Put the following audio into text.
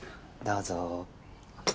どうぞ。